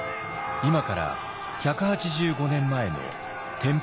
今から１８５年前の天保８年。